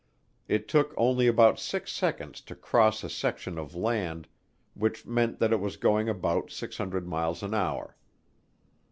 It took only about six seconds to cross a section of land, which meant that it was going about 600 miles an hour.